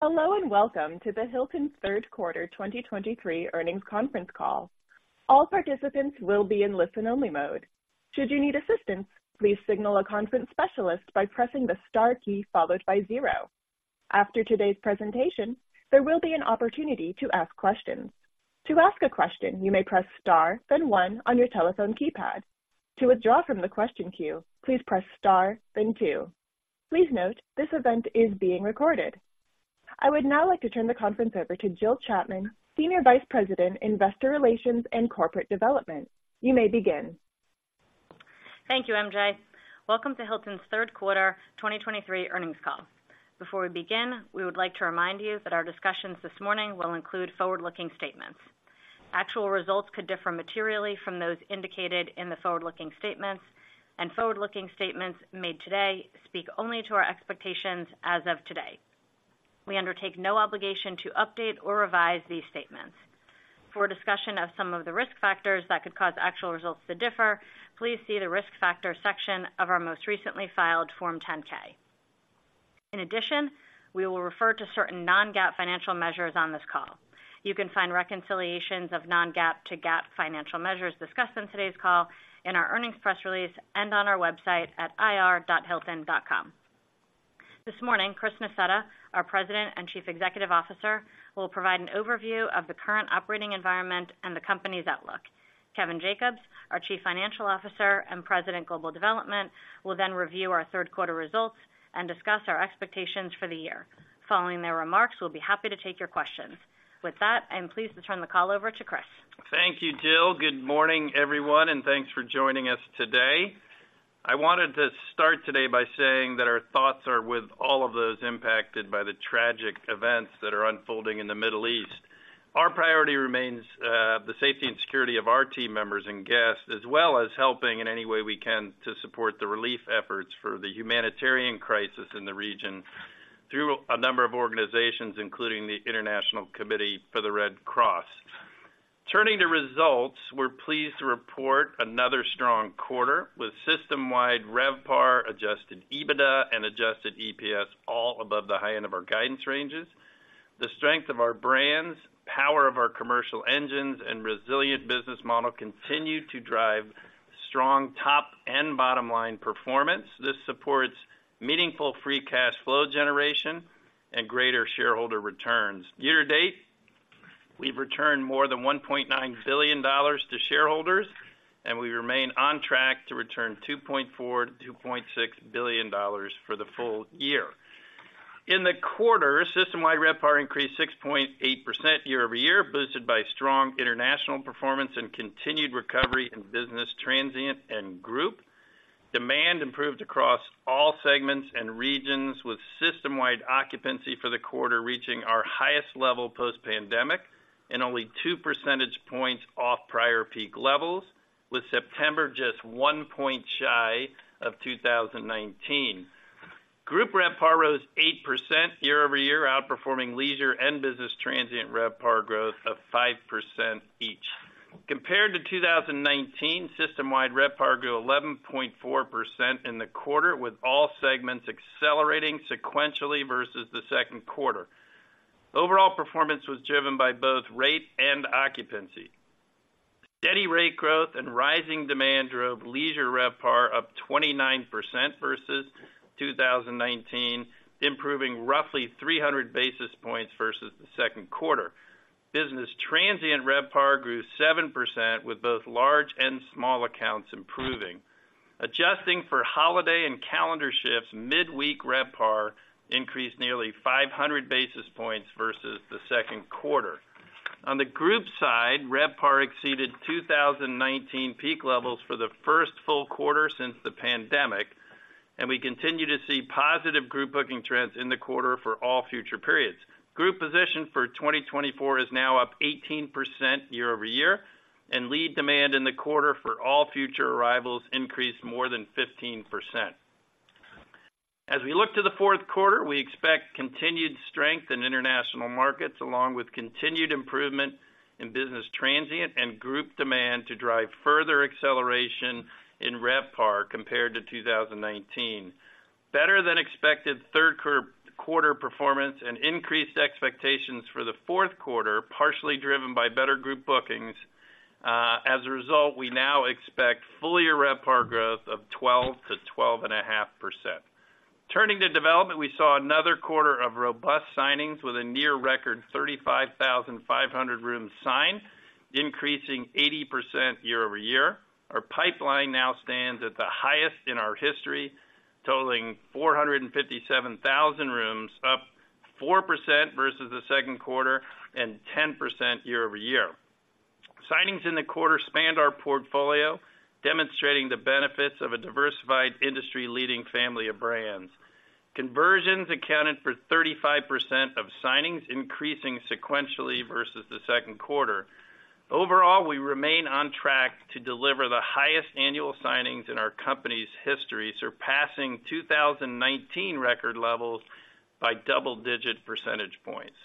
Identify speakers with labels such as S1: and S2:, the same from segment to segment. S1: Hello, and welcome to the Hilton Third Quarter 2023 Earnings Conference Call. All participants will be in listen-only mode. Should you need assistance, please signal a conference specialist by pressing the star key followed by zero. After today's presentation, there will be an opportunity to ask questions. To ask a question, you may press star, then one on your telephone keypad. To withdraw from the question queue, please press star, then two. Please note, this event is being recorded. I would now like to turn the conference over to Jill Chapman, Senior Vice President, Investor Relations and Corporate Development. You may begin.
S2: Thank you, MJ. Welcome to Hilton's third quarter 2023 earnings call. Before we begin, we would like to remind you that our discussions this morning will include forward-looking statements. Actual results could differ materially from those indicated in the forward-looking statements, and forward-looking statements made today speak only to our expectations as of today. We undertake no obligation to update or revise these statements. For a discussion of some of the risk factors that could cause actual results to differ, please see the Risk Factors section of our most recently filed Form 10-K. In addition, we will refer to certain non-GAAP financial measures on this call. You can find reconciliations of non-GAAP to GAAP financial measures discussed in today's call, in our earnings press release, and on our website at ir.hilton.com. This morning, Chris Nassetta, our President and Chief Executive Officer, will provide an overview of the current operating environment and the company's outlook. Kevin Jacobs, our Chief Financial Officer and President, Global Development, will then review our third quarter results and discuss our expectations for the year. Following their remarks, we'll be happy to take your questions. With that, I'm pleased to turn the call over to Chris.
S3: Thank you, Jill. Good morning, everyone, and thanks for joining us today. I wanted to start today by saying that our thoughts are with all of those impacted by the tragic events that are unfolding in the Middle East. Our priority remains the safety and security of our team members and guests, as well as helping in any way we can to support the relief efforts for the humanitarian crisis in the region through a number of organizations, including the International Committee of the Red Cross. Turning to results, we're pleased to report another strong quarter, with system-wide RevPAR, Adjusted EBITDA, and Adjusted EPS all above the high end of our guidance ranges. The strength of our brands, power of our commercial engines, and resilient business model continue to drive strong top and bottom-line performance. This supports meaningful free cash flow generation and greater shareholder returns. Year-to-date, we've returned more than $1.9 billion to shareholders, and we remain on track to return $2.4-$2.6 billion for the full year. In the quarter, system-wide RevPAR increased 6.8% year-over-year, boosted by strong international performance and continued recovery in business transient and group. Demand improved across all segments and regions, with system-wide occupancy for the quarter reaching our highest level post-pandemic and only two percentage points off prior peak levels, with September just one point shy of 2019. Group RevPAR rose 8% year-over-year, outperforming leisure and business transient RevPAR growth of 5% each. Compared to 2019, system-wide RevPAR grew 11.4% in the quarter, with all segments accelerating sequentially versus the second quarter. Overall performance was driven by both rate and occupancy. Steady rate growth and rising demand drove leisure RevPAR up 29% versus 2019, improving roughly 300 basis points versus the second quarter. Business transient RevPAR grew 7%, with both large and small accounts improving. Adjusting for holiday and calendar shifts, midweek RevPAR increased nearly 500 basis points versus the second quarter. On the group side, RevPAR exceeded 2019 peak levels for the first full quarter since the pandemic, and we continue to see positive group booking trends in the quarter for all future periods. Group position for 2024 is now up 18% year-over-year, and lead demand in the quarter for all future arrivals increased more than 15%. As we look to the fourth quarter, we expect continued strength in international markets, along with continued improvement in business transient and group demand, to drive further acceleration in RevPAR compared to 2019. Better than expected third quarter performance and increased expectations for the fourth quarter, partially driven by better group bookings. As a result, we now expect full-year RevPAR growth of 12%-12.5%. Turning to development, we saw another quarter of robust signings with a near-record 35,500 rooms signed, increasing 80% year-over-year. Our pipeline now stands at the highest in our history, totaling 457,000 rooms, up 4% versus the second quarter and 10% year-over-year. Signings in the quarter spanned our portfolio, demonstrating the benefits of a diversified, industry-leading family of brands. Conversions accounted for 35% of signings, increasing sequentially versus the second quarter. Overall, we remain on track to deliver the highest annual signings in our company's history, surpassing 2019 record levels by double-digit percentage points.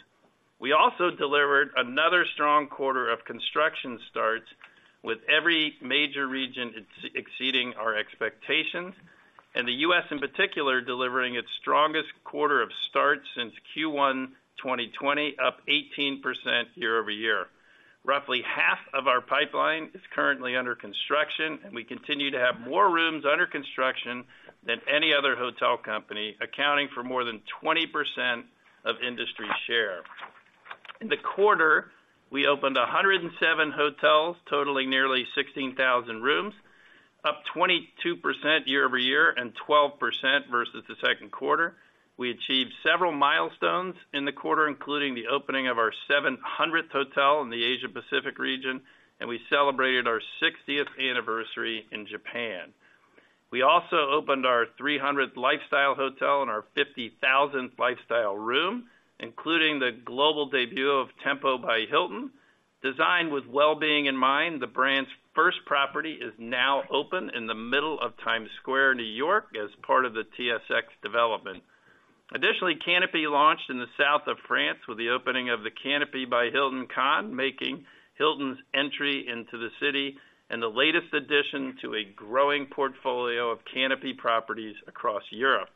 S3: We also delivered another strong quarter of construction starts, with every major region exceeding our expectations, and the U.S., in particular, delivering its strongest quarter of starts since Q1 2020, up 18% year-over-year. Roughly half of our pipeline is currently under construction, and we continue to have more rooms under construction than any other hotel company, accounting for more than 20% of industry share. In the quarter, we opened 107 hotels, totaling nearly 16,000 rooms, up 22% year-over-year and 12% versus the second quarter. We achieved several milestones in the quarter, including the opening of our 700th hotel in the Asia Pacific region, and we celebrated our 60th anniversary in Japan. We also opened our 300th lifestyle hotel and our 50,000th lifestyle room, including the global debut of Tempo by Hilton. Designed with well-being in mind, the brand's first property is now open in the middle of Times Square, New York, as part of the TSX development. Additionally, Canopy launched in the South of France with the opening of the Canopy by Hilton Cannes, making Hilton's entry into the city, and the latest addition to a growing portfolio of Canopy properties across Europe.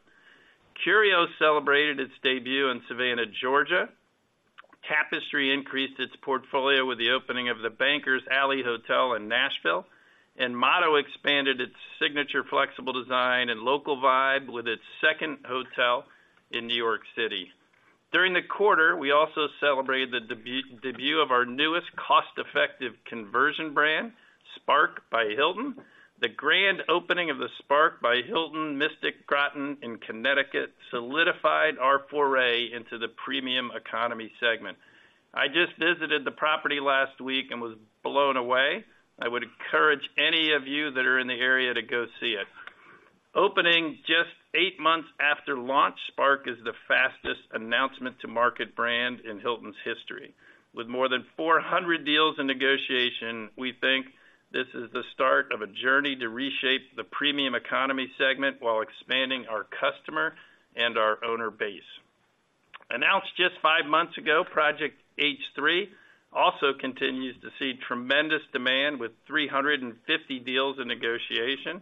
S3: Curio celebrated its debut in Savannah, Georgia. Tapestry increased its portfolio with the opening of the Bankers Alley Hotel in Nashville, and Motto expanded its signature flexible design and local vibe with its second hotel in New York City. During the quarter, we also celebrated the debut of our newest cost-effective conversion brand, Spark by Hilton. The grand opening of the Spark by Hilton Mystic Groton in Connecticut solidified our foray into the premium economy segment. I just visited the property last week and was blown away. I would encourage any of you that are in the area to go see it. Opening just 8 months after launch, Spark is the fastest announcement to market brand in Hilton's history. With more than 400 deals in negotiation, we think this is the start of a journey to reshape the premium economy segment while expanding our customer and our owner base. Announced just 5 months ago, Project H3 also continues to see tremendous demand with 350 deals in negotiation.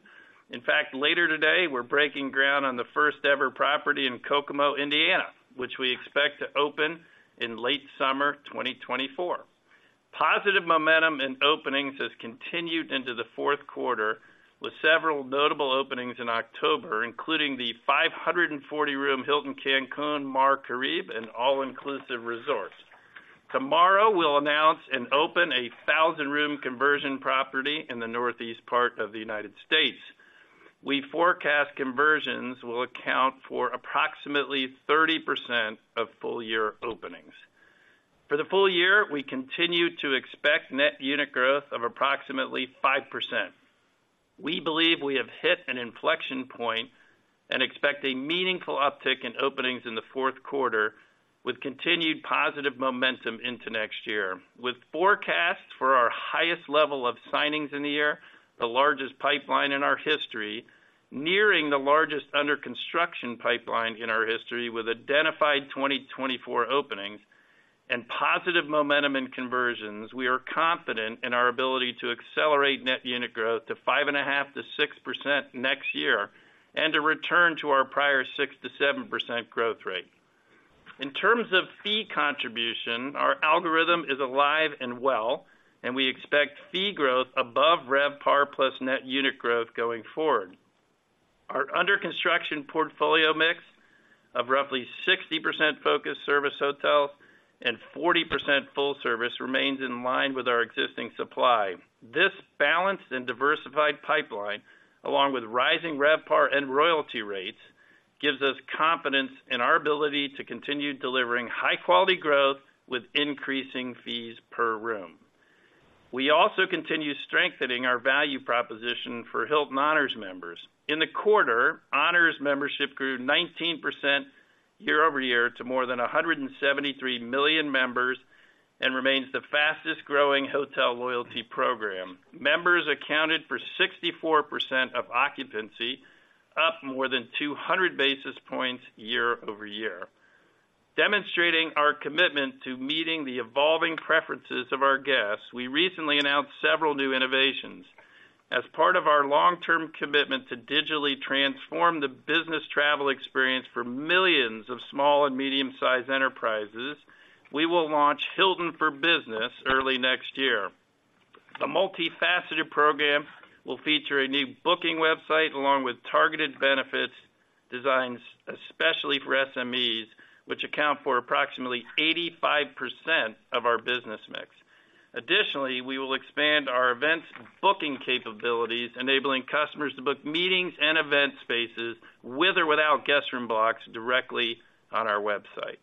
S3: In fact, later today, we're breaking ground on the first-ever property in Kokomo, Indiana, which we expect to open in late summer 2024. Positive momentum in openings has continued into the fourth quarter, with several notable openings in October, including the 540-room Hilton Cancun Mar Caribe, an all-inclusive resort. Tomorrow, we'll announce and open a 1,000-room conversion property in the northeast part of the United States. We forecast conversions will account for approximately 30% of full year openings. For the full year, we continue to expect net unit growth of approximately 5%. We believe we have hit an inflection point and expect a meaningful uptick in openings in the fourth quarter, with continued positive momentum into next year. With forecasts for our highest level of signings in the year, the largest pipeline in our history, nearing the largest under construction pipeline in our history, with identified 2024 openings and positive momentum in conversions, we are confident in our ability to accelerate net unit growth to 5.5%-6% next year, and to return to our prior 6%-7% growth rate. In terms of fee contribution, our algorithm is alive and well, and we expect fee growth above RevPAR plus net unit growth going forward. Our under construction portfolio mix of roughly 60% focused service hotels and 40% full service, remains in line with our existing supply. This balanced and diversified pipeline, along with rising RevPAR and royalty rates, gives us confidence in our ability to continue delivering high-quality growth with increasing fees per room. We also continue strengthening our value proposition for Hilton Honors members. In the quarter, Honors membership grew 19% year over year to more than 173 million members, and remains the fastest-growing hotel loyalty program. Members accounted for 64% of occupancy, up more than 200 basis points year-over-year. Demonstrating our commitment to meeting the evolving preferences of our guests, we recently announced several new innovations. As part of our long-term commitment to digitally transform the business travel experience for millions of small and medium-sized enterprises, we will launch Hilton for Business early next year. The multifaceted program will feature a new booking website, along with targeted benefits designed especially for SMEs, which account for approximately 85% of our business mix. Additionally, we will expand our events and booking capabilities, enabling customers to book meetings and event spaces, with or without guest room blocks, directly on our website.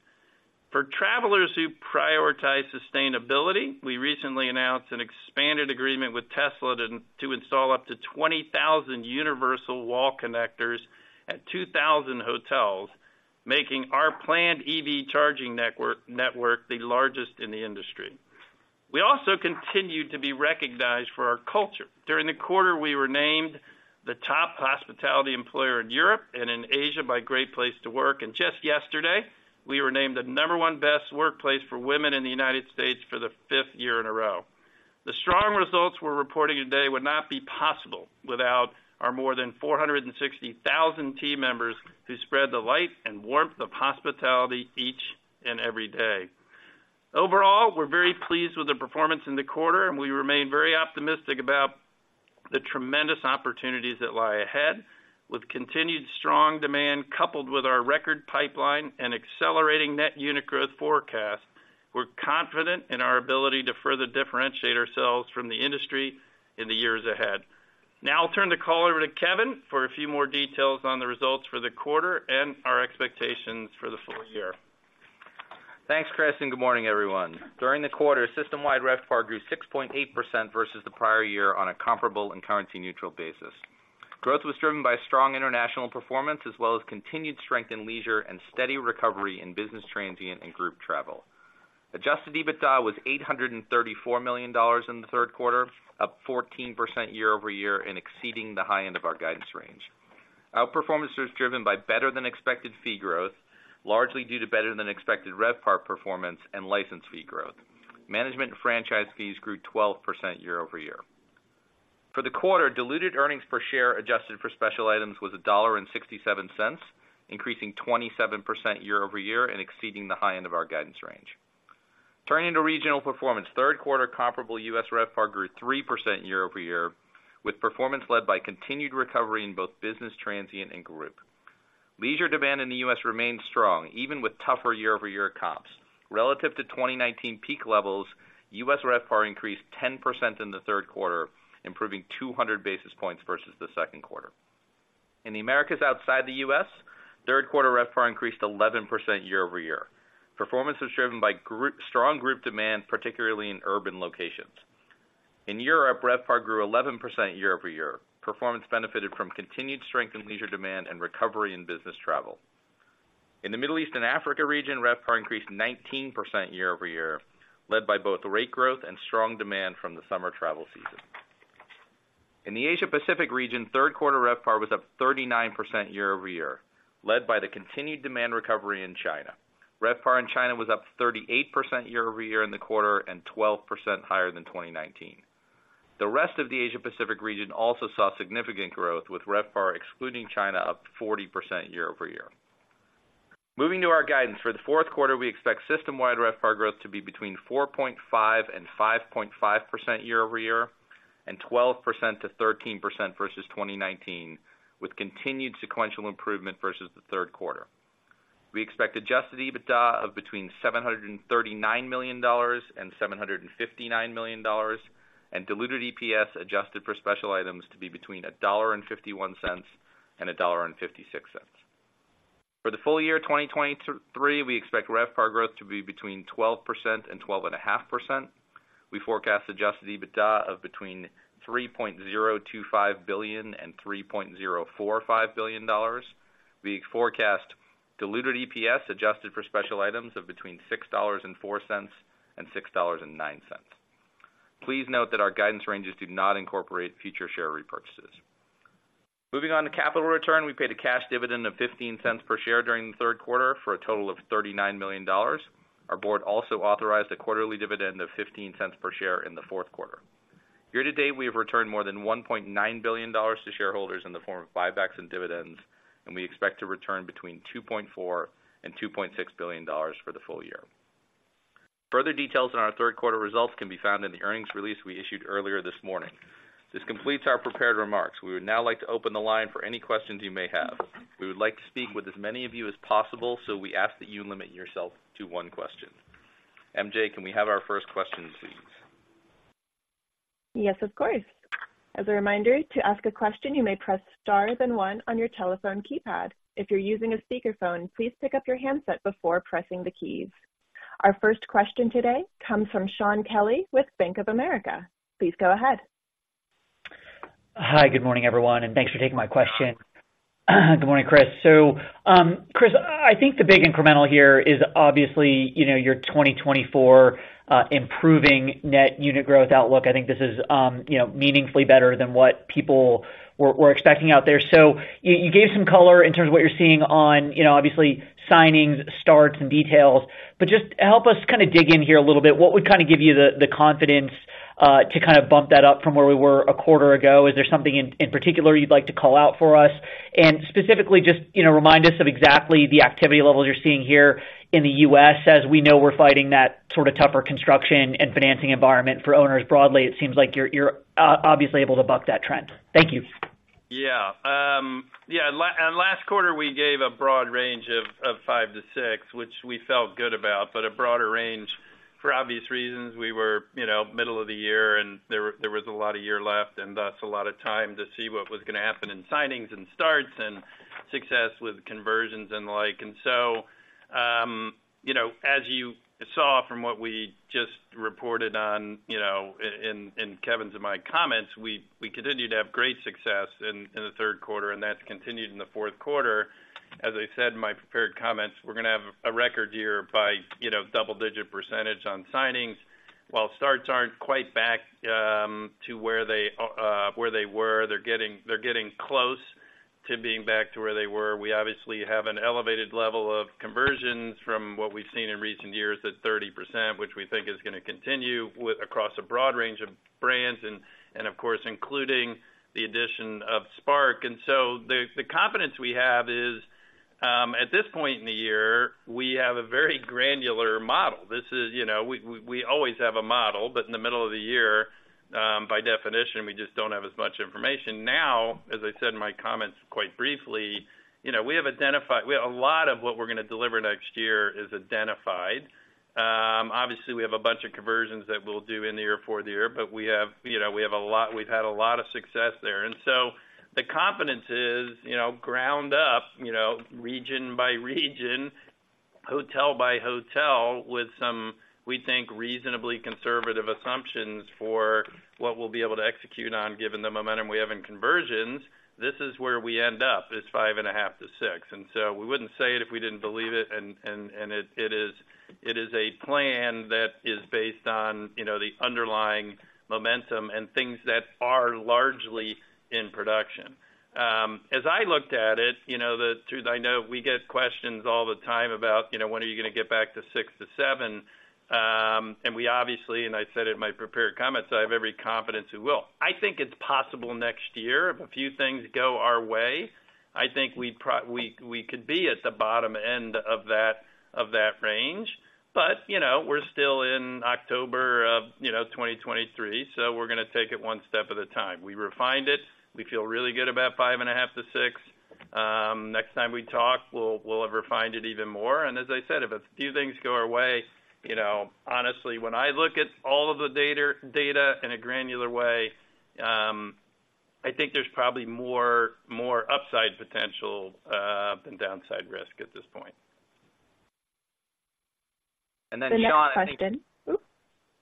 S3: For travelers who prioritize sustainability, we recently announced an expanded agreement with Tesla to install up to 20,000 universal wall connectors at 2,000 hotels, making our planned EV charging network the largest in the industry. We also continued to be recognized for our culture. During the quarter, we were named the top hospitality employer in Europe and in Asia by Great Place to Work, and just yesterday, we were named the number one best workplace for women in the United States for the fifth year in a row. The strong results we're reporting today would not be possible without our more than 460,000 team members who spread the light and warmth of hospitality each and every day. Overall, we're very pleased with the performance in the quarter, and we remain very optimistic about the tremendous opportunities that lie ahead. With continued strong demand, coupled with our record pipeline and accelerating net unit growth forecast, we're confident in our ability to further differentiate ourselves from the industry in the years ahead. Now I'll turn the call over to Kevin for a few more details on the results for the quarter and our expectations for the full year.
S4: Thanks, Chris, and good morning, everyone. During the quarter, system-wide RevPAR grew 6.8% versus the prior year on a comparable and currency neutral basis. Growth was driven by strong international performance, as well as continued strength in leisure and steady recovery in business transient and group travel. Adjusted EBITDA was $834 million in the third quarter, up 14% year-over-year and exceeding the high end of our guidance range. Outperformance was driven by better than expected fee growth, largely due to better than expected RevPAR performance and license fee growth. Management and franchise fees grew 12% year-over-year. For the quarter, diluted earnings per share, adjusted for special items, was $1.67, increasing 27% year-over-year and exceeding the high end of our guidance range. Turning to regional performance. Third quarter comparable U.S. RevPAR grew 3% year-over-year, with performance led by continued recovery in both business transient and group. Leisure demand in the U.S. remained strong, even with tougher year-over-year comps. Relative to 2019 peak levels, U.S. RevPAR increased 10% in the third quarter, improving 200 basis points versus the second quarter. In the Americas outside the U.S., third quarter RevPAR increased 11% year-over-year. Performance was driven by strong group demand, particularly in urban locations. In Europe, RevPAR grew 11% year-over-year. Performance benefited from continued strength in leisure demand and recovery in business travel. In the Middle East and Africa region, RevPAR increased 19% year-over-year, led by both rate growth and strong demand from the summer travel season. In the Asia Pacific region, third quarter RevPAR was up 39% year-over-year, led by the continued demand recovery in China. RevPAR in China was up 38% year-over-year in the quarter and 12% higher than 2019. The rest of the Asia Pacific region also saw significant growth, with RevPAR excluding China, up 40% year-over-year. Moving to our guidance. For the fourth quarter, we expect system-wide RevPAR growth to be between 4.5% and 5.5% year-over-year, and 12%-13% versus 2019, with continued sequential improvement versus the third quarter. We expect adjusted EBITDA of between $739 million and $759 million, and diluted EPS adjusted for special items to be between $1.51 and $1.56. For the full year 2023, we expect RevPAR growth to be between 12% and 12.5%. We forecast adjusted EBITDA of between $3.025 billion and $3.045 billion. We forecast diluted EPS adjusted for special items of between $6.04 and $6.09. Please note that our guidance ranges do not incorporate future share repurchases. Moving on to capital return. We paid a cash dividend of $0.15 per share during the third quarter for a total of $39 million. Our board also authorized a quarterly dividend of $0.15 per share in the fourth quarter. Year-to-date, we have returned more than $1.9 billion to shareholders in the form of buybacks and dividends, and we expect to return between $2.4 billion-$2.6 billion for the full year. Further details on our third quarter results can be found in the earnings release we issued earlier this morning. This completes our prepared remarks. We would now like to open the line for any questions you may have. We would like to speak with as many of you as possible, so we ask that you limit yourself to one question. MJ, can we have our first question, please?
S1: Yes, of course. As a reminder, to ask a question, you may press star, then one on your telephone keypad. If you're using a speakerphone, please pick up your handset before pressing the keys. Our first question today comes from Shaun Kelley with Bank of America. Please go ahead.
S5: Hi, good morning, everyone, and thanks for taking my question. Good morning, Chris. So, Chris, I think the big incremental here is obviously, you know, your 2024 improving net unit growth outlook. I think this is, you know, meaningfully better than what people were expecting out there. So you gave some color in terms of what you're seeing on, you know, obviously, signings, starts and details, but just help us kind of dig in here a little bit. What would kind of give you the confidence to kind of bump that up from where we were a quarter ago? Is there something in particular you'd like to call out for us? Specifically, just, you know, remind us of exactly the activity levels you're seeing here in the U.S., as we know we're fighting that sort of tougher construction and financing environment for owners broadly. It seems like you're obviously able to buck that trend. Thank you.
S3: Yeah. Yeah, last quarter, we gave a broad range of 5-6, which we felt good about, but a broader range for obvious reasons. We were, you know, middle of the year, and there was a lot of year left, and thus a lot of time to see what was going to happen in signings and starts and success with conversions and the like. And so, you know, as you saw from what we just reported on, you know, in Kevin's and my comments, we continued to have great success in the third quarter, and that's continued in the fourth quarter. As I said in my prepared comments, we're going to have a record year by, you know, double-digit % on signings. While starts aren't quite back to where they were, they're getting, they're getting close to being back to where they were. We obviously have an elevated level of conversions from what we've seen in recent years at 30%, which we think is gonna continue with across a broad range of brands and, and of course, including the addition of Spark. And so the, the confidence we have is at this point in the year, we have a very granular model. This is, you know, we, we, we always have a model, but in the middle of the year, by definition, we just don't have as much information. Now, as I said in my comments quite briefly, you know, we have identified we have a lot of what we're gonna deliver next year is identified. Obviously, we have a bunch of conversions that we'll do in the year for the year, but we have, you know, we have a lot—we've had a lot of success there. And so the confidence is, you know, ground up, you know, region by region, hotel by hotel, with some, we think, reasonably conservative assumptions for what we'll be able to execute on, given the momentum we have in conversions. This is where we end up, is 5.5-6. And so we wouldn't say it if we didn't believe it, and it is a plan that is based on, you know, the underlying momentum and things that are largely in production. As I looked at it, you know, the truth, I know we get questions all the time about, you know, when are you gonna get back to 6-7? And we obviously, and I said in my prepared comments, I have every confidence it will. I think it's possible next year, if a few things go our way, I think we could be at the bottom end of that, of that range. But, you know, we're still in October of 2023, so we're gonna take it one step at a time. We refined it. We feel really good about 5.5-6. Next time we talk, we'll have refined it even more. As I said, if a few things go our way, you know, honestly, when I look at all of the data in a granular way, I think there's probably more upside potential than downside risk at this point. And then, Shaun-
S1: The next question. Oops!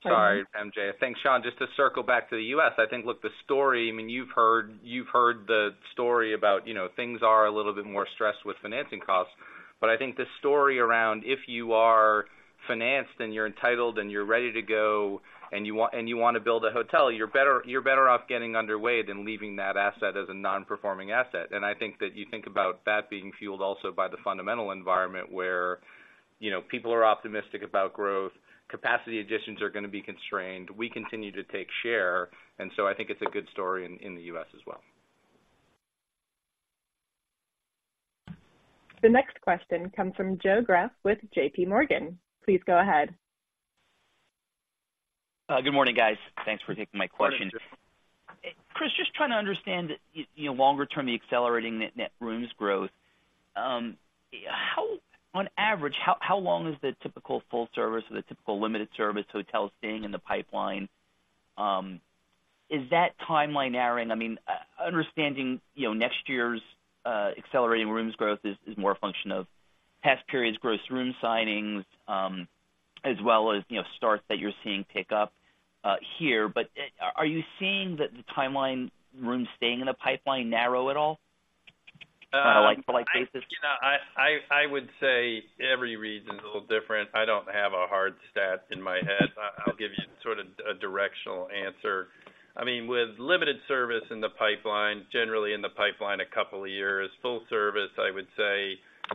S3: Sorry, MJ. Thanks, Shaun. Just to circle back to the U.S., I think, look, the story... I mean, you've heard, you've heard the story about, you know, things are a little bit more stressed with financing costs. But I think the story around, if you are financed and you're entitled, and you're ready to go, and you want, and you want to build a hotel, you're better, you're better off getting underway than leaving that asset as a non-performing asset. And I think that you think about that being fueled also by the fundamental environment where, you know, people are optimistic about growth, capacity additions are gonna be constrained. We continue to take share, and so I think it's a good story in, in the U.S. as well.
S1: The next question comes from Joe Greff with JPMorgan. Please go ahead.
S6: Good morning, guys. Thanks for taking my question.
S3: Good morning, Joe.
S6: Chris, just trying to understand, you know, longer term, the accelerating net rooms growth. How on average, how long is the typical full service or the typical limited service hotel staying in the pipeline? Is that timeline narrowing? I mean, understanding, you know, next year's accelerating rooms growth is more a function of past periods, gross room signings, as well as, you know, starts that you're seeing pick up here. But, are you seeing that the timeline rooms staying in the pipeline narrow at all? On a like-by-like basis.
S3: You know, I would say every region is a little different. I don't have a hard stat in my head. I'll give you sort of a directional answer. I mean, with limited service in the pipeline, generally in the pipeline, a couple of years. Full service, I would say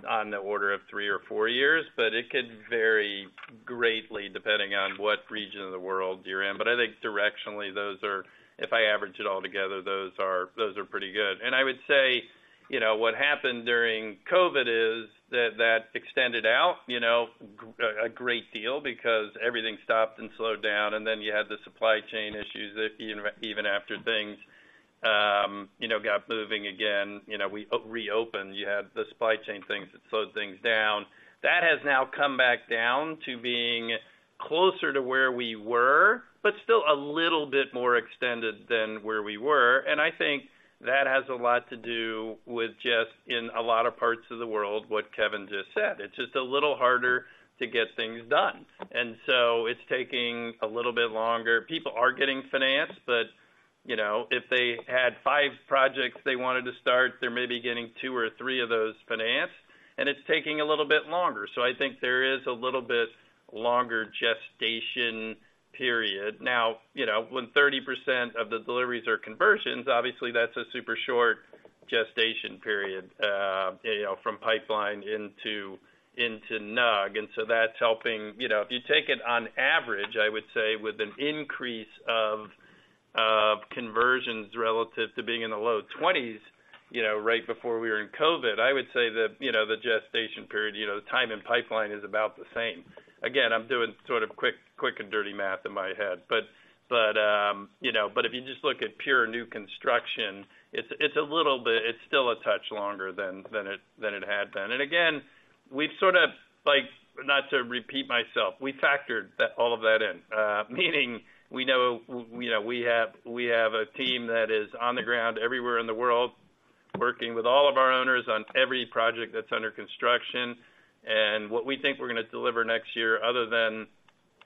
S3: on the order of 3 or 4 years, but it could vary greatly depending on what region of the world you're in. But I think directionally, those are, if I average it all together, those are pretty good. And I would say, you know, what happened during COVID is that extended out, you know, a great deal because everything stopped and slowed down, and then you had the supply chain issues, even after things, you know, got moving again. You know, we reopened, you had the supply chain things that slowed things down. That has now come back down to being closer to where we were, but still a little bit more extended than where we were. And I think that has a lot to do with just, in a lot of parts of the world, what Kevin just said. It's just a little harder to get things done, and so it's taking a little bit longer. People are getting financed, but, you know, if they had five projects they wanted to start, they're maybe getting two or three of those financed, and it's taking a little bit longer. So I think there is a little bit longer gestation period. Now, you know, when 30% of the deliveries are conversions, obviously, that's a super short gestation period, you know, from pipeline into NUG. And so that's helping. You know, if you take it on average, I would say with an increase of conversions relative to being in the low 20s, you know, right before we were in COVID, I would say that, you know, the gestation period, you know, time in pipeline is about the same. Again, I'm doing sort of quick and dirty math in my head, but you know, but if you just look at pure new construction, it's a little bit- it's still a touch longer than it had been. And again, we've sort of like, not to repeat myself, we factored that- all of that in. Meaning we know we have a team that is on the ground everywhere in the world, working with all of our owners on every project that's under construction. What we think we're gonna deliver next year, other than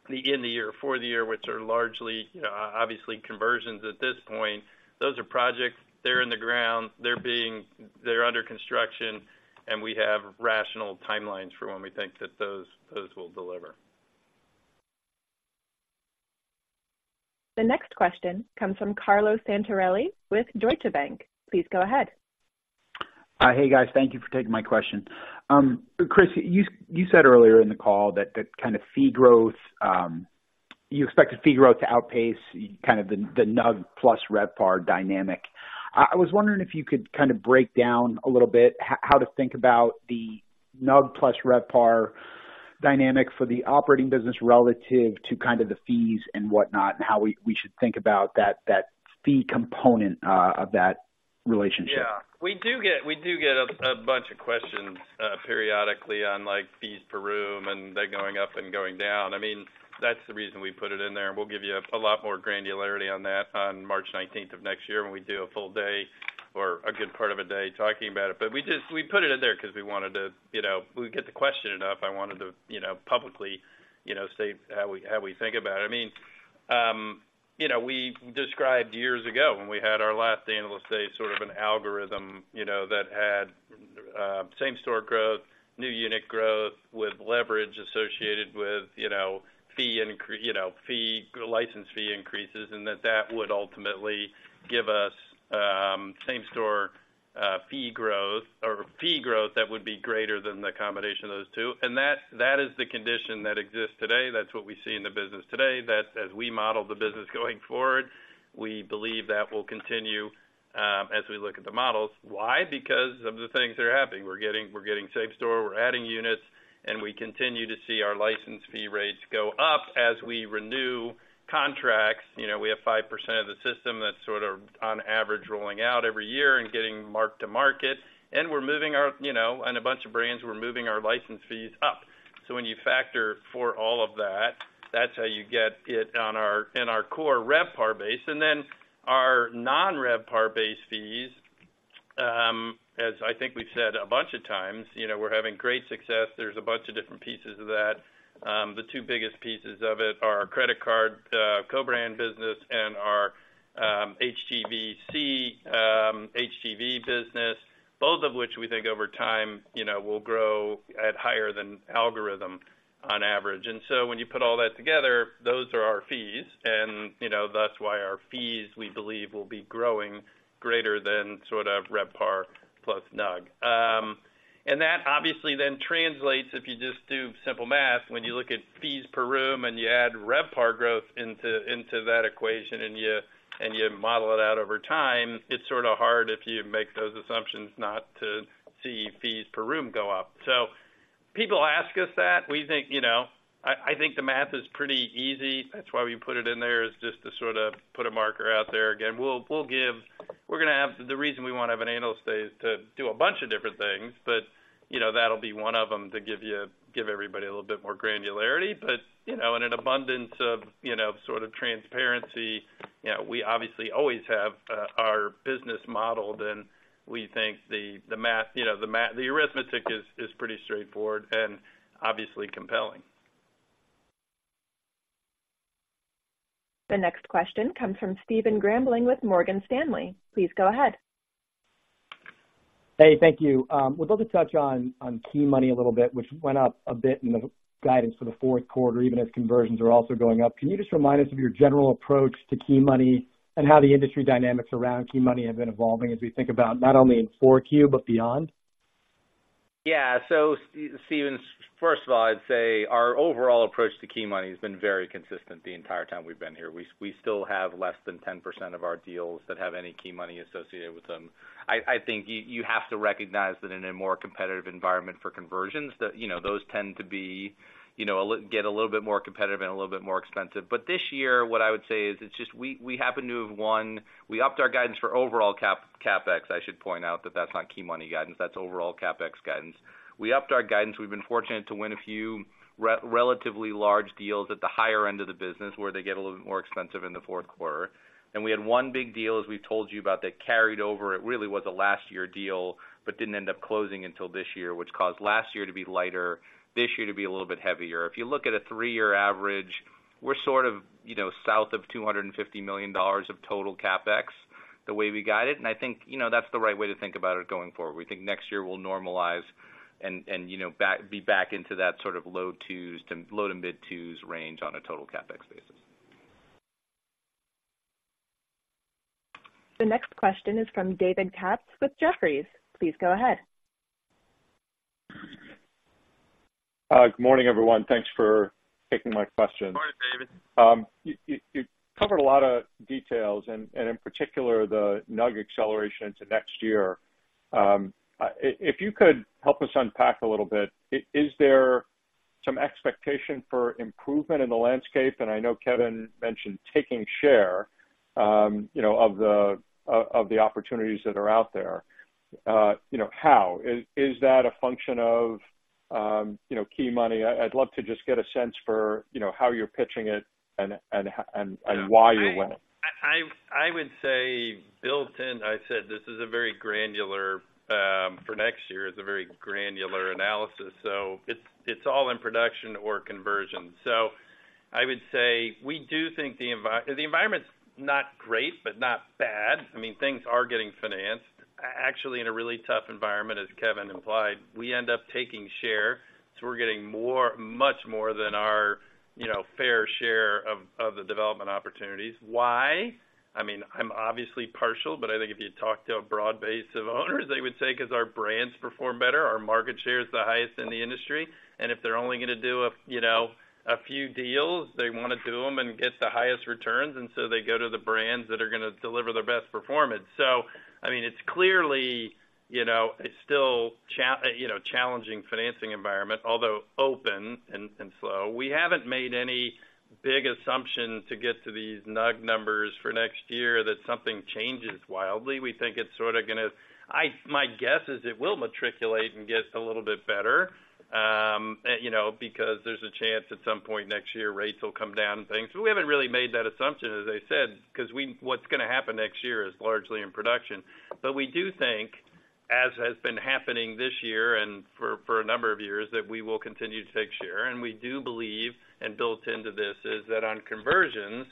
S3: the in the year, for the year, which are largely, obviously conversions at this point. Those are projects, they're in the ground, they're under construction, and we have rational timelines for when we think that those will deliver.
S1: The next question comes from Carlo Santarelli with Deutsche Bank. Please go ahead.
S7: Hey, guys. Thank you for taking my question. Chris, you said earlier in the call that kind of fee growth you expected fee growth to outpace kind of the NUG plus RevPAR dynamic. I was wondering if you could kind of break down a little bit how to think about the NUG plus RevPAR dynamic for the operating business relative to kind of the fees and whatnot, and how we should think about that fee component of that relationship.
S3: Yeah. We do get, we do get a bunch of questions periodically on, like, fees per room, and they're going up and going down. I mean, that's the reason we put it in there, and we'll give you a lot more granularity on that on March nineteenth of next year, when we do a full day or a good part of a day talking about it. But we just we put it in there because we wanted to, you know, we get the question enough. I wanted to, you know, publicly, you know, say how we, how we think about it. I mean, you know, we described years ago, when we had our last Analyst Day, sort of an algorithm, you know, that had same-store growth, new unit growth, with leverage associated with, you know, fee, license fee increases, and that that would ultimately give us same-store fee growth or fee growth that would be greater than the combination of those two. That is the condition that exists today. That's what we see in the business today. That's as we model the business going forward, we believe that will continue, as we look at the models. Why? Because of the things that are happening. We're getting same store, we're adding units, and we continue to see our license fee rates go up as we renew contracts. You know, we have 5% of the system that's sort of on average, rolling out every year and getting mark-to-market, and we're moving our, you know, on a bunch of brands, we're moving our license fees up. So when you factor for all of that, that's how you get it on our, in our core RevPAR base. And then our non-RevPAR base fees, as I think we've said a bunch of times, you know, we're having great success. There's a bunch of different pieces of that. The two biggest pieces of it are our credit card co-brand business and our HGV business, both of which we think over time, you know, will grow at higher than algorithm on average. And so when you put all that together, those are our fees and, you know, that's why our fees, we believe, will be growing greater than sort of RevPAR plus NUG. And that obviously then translates, if you just do simple math, when you look at fees per room and you add RevPAR growth into that equation and you model it out over time, it's sort of hard if you make those assumptions, not to see fees per room go up. So people ask us that. We think, you know, I think the math is pretty easy. That's why we put it in there, is just to sort of put a marker out there. Again, we'll give-- we're gonna have... The reason we wanna have an Analyst Day is to do a bunch of different things, but, you know, that'll be one of them, to give you- give everybody a little bit more granularity. But, you know, in an abundance of, you know, sort of transparency, you know, we obviously always have our business modeled, and we think the, the math, you know, the math, the arithmetic is, is pretty straightforward and obviously compelling.
S1: The next question comes from Stephen Grambling with Morgan Stanley. Please go ahead.
S8: Hey, thank you. Would love to touch on key money a little bit, which went up a bit in the guidance for the fourth quarter, even as conversions are also going up. Can you just remind us of your general approach to key money and how the industry dynamics around key money have been evolving as we think about not only in 4Q, but beyond?
S4: Yeah. So Stephen, first of all, I'd say our overall approach to key money has been very consistent the entire time we've been here. We still have less than 10% of our deals that have any key money associated with them. I think you have to recognize that in a more competitive environment for conversions, that, you know, those tend to be, you know, a little bit more competitive and a little bit more expensive. But this year, what I would say is, it's just we happen to have we upped our guidance for overall CapEx. I should point out that that's not key money guidance, that's overall CapEx guidance. We upped our guidance. We've been fortunate to win a few relatively large deals at the higher end of the business, where they get a little bit more expensive in the fourth quarter. We had one big deal, as we've told you about, that carried over. It really was a last year deal, but didn't end up closing until this year, which caused last year to be lighter, this year to be a little bit heavier. If you look at a three-year average, we're sort of, you know, south of $250 million of total CapEx the way we guide it, and I think, you know, that's the right way to think about it going forward. We think next year we'll normalize and, you know, be back into that sort of low 2s-low to mid 2s range on a total CapEx basis.
S1: The next question is from David Katz with Jefferies. Please go ahead.
S9: Good morning, everyone. Thanks for taking my question.
S3: Morning, David.
S9: You covered a lot of details and, in particular, the NUG acceleration into next year. If you could help us unpack a little bit, is there some expectation for improvement in the landscape? And I know Kevin mentioned taking share, you know, of the opportunities that are out there. You know, how? Is that a function of, you know, key money? I'd love to just get a sense for, you know, how you're pitching it and why you're winning....
S3: I would say built in. I said this is a very granular for next year; it's a very granular analysis, so it's all in production or conversion. So I would say we do think the environment's not great, but not bad. I mean, things are getting financed. Actually, in a really tough environment, as Kevin implied, we end up taking share, so we're getting much more than our, you know, fair share of the development opportunities. Why? I mean, I'm obviously partial, but I think if you talk to a broad base of owners, they would say, because our brands perform better, our market share is the highest in the industry. And if they're only gonna do a few deals, they wanna do them and get the highest returns, and so they go to the brands that are gonna deliver their best performance. So I mean, it's clearly, you know, it's still, you know, challenging financing environment, although open and slow. We haven't made any big assumption to get to these NUG numbers for next year that something changes wildly. We think it's sort of gonna... my guess is it will matriculate and get a little bit better, you know, because there's a chance at some point next year, rates will come down and things. But we haven't really made that assumption, as I said, because what's gonna happen next year is largely in production. But we do think, as has been happening this year and for a number of years, that we will continue to take share. And we do believe, and built into this, is that on conversions,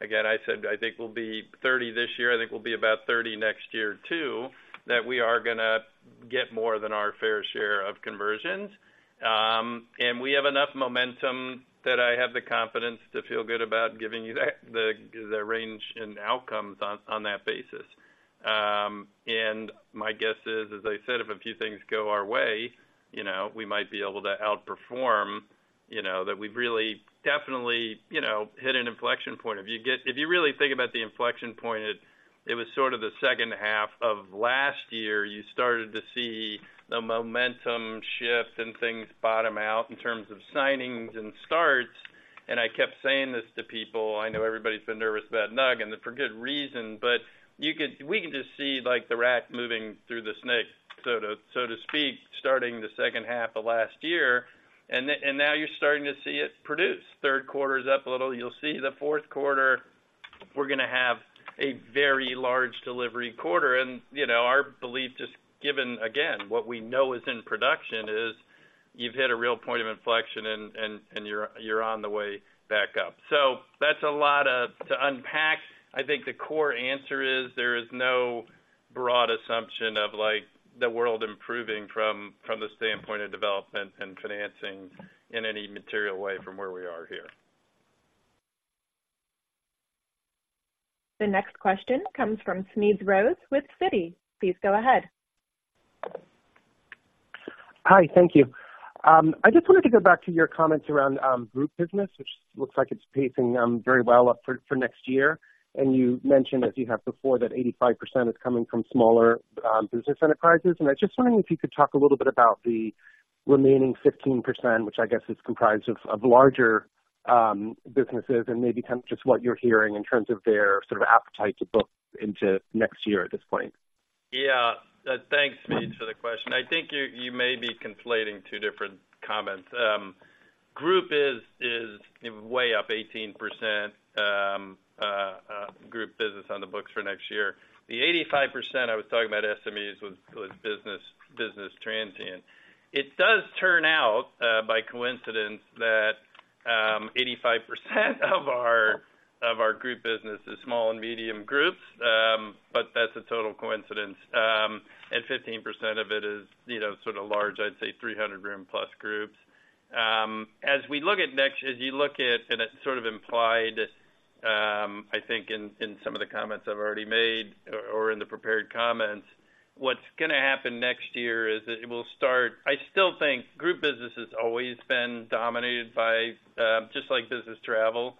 S3: again, I said, I think we'll be 30 this year, I think we'll be about 30 next year, too, that we are gonna get more than our fair share of conversions. And we have enough momentum that I have the confidence to feel good about giving you that, the range and outcomes on that basis. And my guess is, as I said, if a few things go our way, you know, we might be able to outperform, you know, that we've really definitely, you know, hit an inflection point. If you really think about the inflection point, it was sort of the second half of last year. You started to see the momentum shift and things bottom out in terms of signings and starts, and I kept saying this to people. I know everybody's been nervous about NUG, and for good reason, but we could just see, like, the rat moving through the snake, so to speak, starting the second half of last year. And then, and now you're starting to see it produce. Third quarter is up a little. You'll see the fourth quarter. We're gonna have a very large delivery quarter. And, you know, our belief, just given, again, what we know is in production, is you've hit a real point of inflection, and you're on the way back up. That's a lot to unpack. I think the core answer is there is no broad assumption of, like, the world improving from the standpoint of development and financing in any material way from where we are here.
S1: The next question comes from Smedes Rose with Citi. Please go ahead.
S10: Hi, thank you. I just wanted to go back to your comments around group business, which looks like it's pacing very well up for next year. And you mentioned, as you have before, that 85% is coming from smaller business enterprises. And I just wondering if you could talk a little bit about the remaining 15%, which I guess is comprised of larger businesses, and maybe kind of just what you're hearing in terms of their sort of appetite to book into next year at this point.
S3: Yeah. Thanks, Smedes, for the question. I think you may be conflating two different comments. Group is way up 18%, group business on the books for next year. The 85% I was talking about SMEs was business transient. It does turn out by coincidence that 85% of our group business is small and medium groups, but that's a total coincidence. And 15% of it is, you know, sort of large, I'd say 300 room plus groups. As you look at, and it's sort of implied, I think in some of the comments I've already made or in the prepared comments, what's gonna happen next year is that it will start... I still think group business has always been dominated by, just like business travel,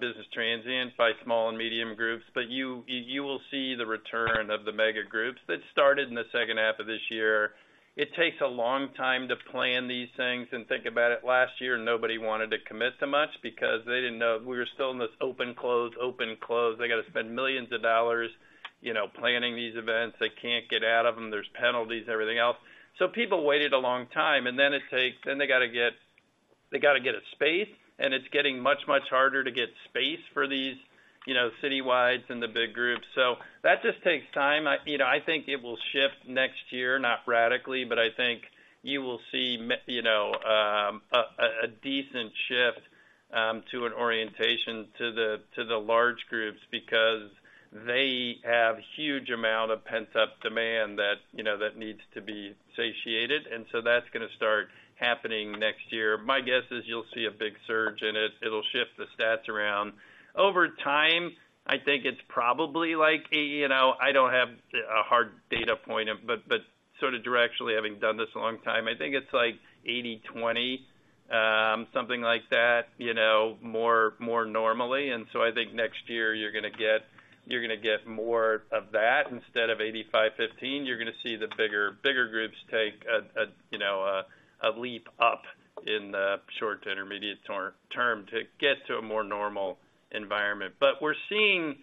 S3: business transients by small and medium groups, but you, you will see the return of the mega groups that started in the second half of this year. It takes a long time to plan these things and think about it. Last year, nobody wanted to commit to much because they didn't know if we were still in this open, closed, open, closed. They got to spend $ millions, you know, planning these events. They can't get out of them. There's penalties, everything else. So people waited a long time, and then it takes, then they gotta get, they gotta get a space, and it's getting much, much harder to get space for these, you know, citywides and the big groups. So that just takes time. You know, I think it will shift next year, not radically, but I think you will see you know, a decent shift to an orientation to the large groups because they have huge amount of pent-up demand that, you know, that needs to be satiated, and so that's gonna start happening next year. My guess is you'll see a big surge in it. It'll shift the stats around. Over time, I think it's probably like, you know, I don't have a hard data point, but sort of directionally, having done this a long time, I think it's like 80/20, something like that, you know, more normally. And so I think next year you're gonna get more of that. Instead of 85/15, you're gonna see the bigger, bigger groups take a, you know, a leap up in the short to intermediate term to get to a more normal environment. But we're seeing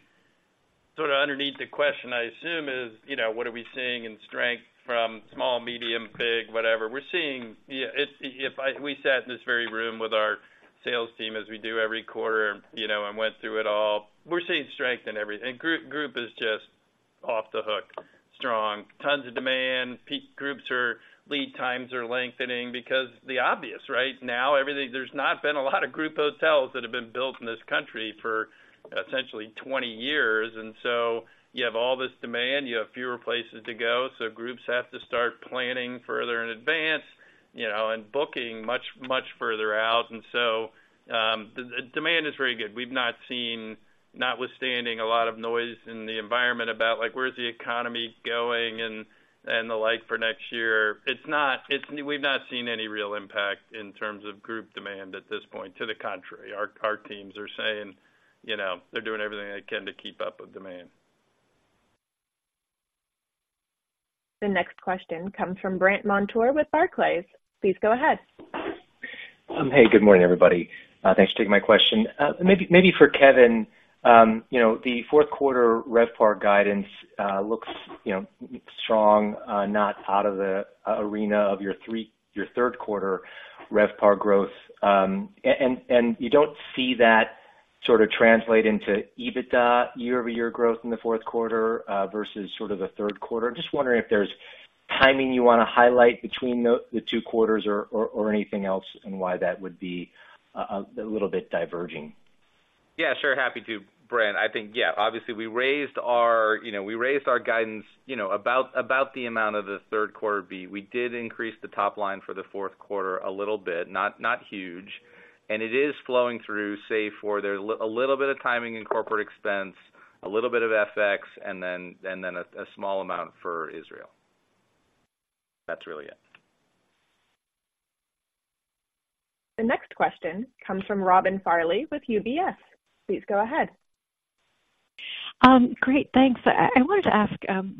S3: sort of underneath the question, I assume, is, you know, what are we seeing in strength from small, medium, big, whatever. We're seeing, yeah, if I—we sat in this very room with our sales team, as we do every quarter, you know, and went through it all. We're seeing strength in everything. Group, group is just off the hook, strong. Tons of demand. Peak groups are, lead times are lengthening because the obvious, right? Now, everything, there's not been a lot of group hotels that have been built in this country for essentially 20 years. You have all this demand, you have fewer places to go, so groups have to start planning further in advance, you know, and booking much, much further out. The demand is very good. We've not seen, notwithstanding a lot of noise in the environment about, like, where's the economy going and the like for next year. It's not, it's, we've not seen any real impact in terms of group demand at this point. To the contrary, our teams are saying, you know, they're doing everything they can to keep up with demand.
S1: The next question comes from Brandt Montour with Barclays. Please go ahead.
S11: Hey, good morning, everybody. Thanks for taking my question. Maybe for Kevin, you know, the fourth quarter RevPAR guidance looks, you know, strong, not out of the arena of your third quarter RevPAR growth. You don't see that sort of translate into EBITDA year-over-year growth in the fourth quarter versus the third quarter. Just wondering if there's timing you want to highlight between the two quarters or anything else, and why that would be a little bit diverging.
S3: Yeah, sure. Happy to, Brandt. I think, yeah, obviously, we raised our, you know, we raised our guidance, you know, about, about the amount of the third quarter beat. We did increase the top line for the fourth quarter a little bit, not, not huge. It is flowing through, save for there's a little bit of timing in corporate expense, a little bit of FX, and then, and then a, a small amount for Israel. That's really it.
S1: The next question comes from Robin Farley with UBS. Please go ahead.
S12: Great, thanks. I wanted to ask,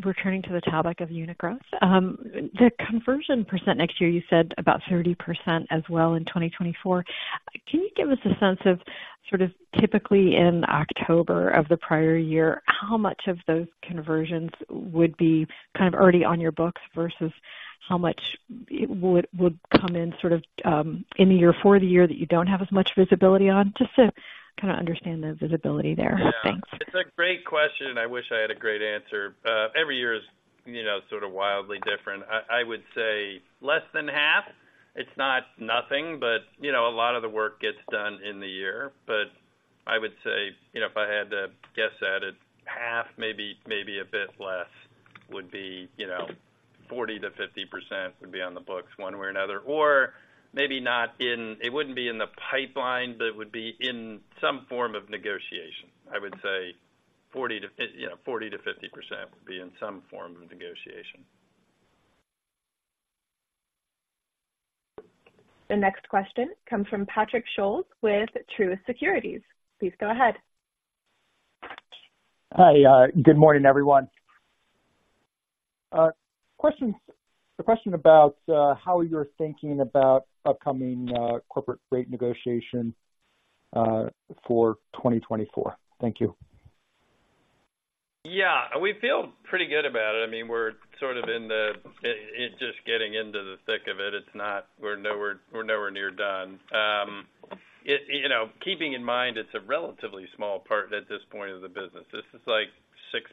S12: returning to the topic of unit growth. The conversion percent next year, you said about 30% as well in 2024. Can you give us a sense of, sort of, typically in October of the prior year, how much of those conversions would be kind of already on your books, versus how much it would come in sort of, in the year for the year that you don't have as much visibility on? Just to kind of understand the visibility there. Thanks.
S3: Yeah. It's a great question, and I wish I had a great answer. Every year is, you know, sort of wildly different. I would say less than half. It's not nothing, but, you know, a lot of the work gets done in the year. But I would say, you know, if I had to guess at it, half, maybe, maybe a bit less, would be, you know, 40%-50% would be on the books one way or another. Or maybe not in it. It wouldn't be in the pipeline, but it would be in some form of negotiation. I would say 40% to, you know, 40%-50% would be in some form of negotiation.
S1: The next question comes from Patrick Scholes with Truist Securities. Please go ahead.
S13: Hi, good morning, everyone. A question about how you're thinking about upcoming corporate rate negotiations for 2024. Thank you.
S3: Yeah, we feel pretty good about it. I mean, we're sort of in the just getting into the thick of it. It's not. We're nowhere near done. You know, keeping in mind, it's a relatively small part at this point of the business. This is like 6%